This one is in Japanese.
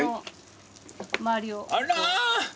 あら！